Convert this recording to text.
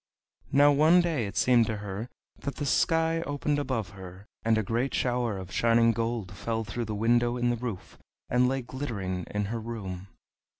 Now one day it seemed to her that the sky opened above her, and a great shower of shining gold fell through the window in the roof, and lay glittering in her room.